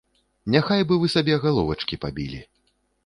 Няхай бы вы сабе галовачкі пабілі.